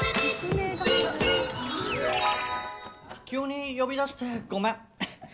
急に呼び出して、ごめん。